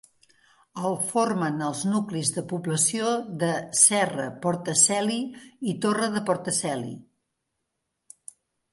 El forment els nuclis de població de Serra, Portaceli i Torre de Portaceli.